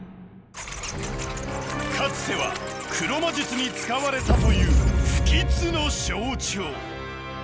かつては黒魔術に使われたという不吉の象徴。